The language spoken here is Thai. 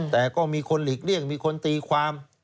แต่ก็มีคนหลีกเลี่ยงมีคนตีความ